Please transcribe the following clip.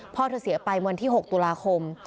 พ่อเธอเสียไปวันที่๖ตุลาคม